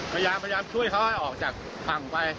พยายามช่วยเขาให้ออกจากฝั่งไป